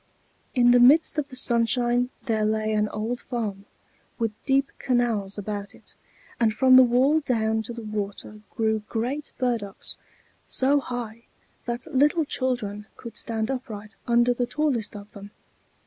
In the midst of the sunshine there lay an old farm, with deep canals about it; and from the wall down to the water grew great burdocks, so high that little children could stand upright under the tallest of them.